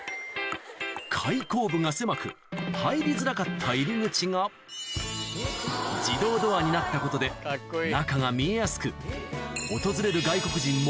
開口部が狭く入りづらかった入り口が自動ドアになったことで中が見えやすく訪れる外国人も